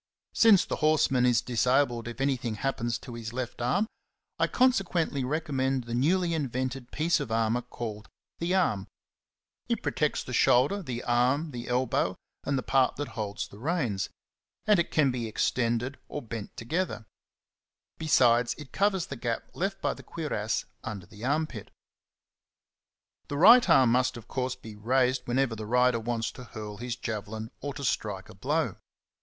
Since the horseman is dis abled if anything happens to his left arm, I consequently recommend the newly invented piece of armour called t/ie arm^'' It protects the shoulder, the arm, the elbow, and the part that holds the reins, and it can be ex tended or bent together; besides it covers the gap left by the cuirass under the armpit. The right arm must of course be raised whenever the rider wants to hurl his javelin or to strike a blow.